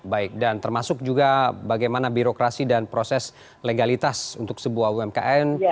baik dan termasuk juga bagaimana birokrasi dan proses legalitas untuk sebuah umkm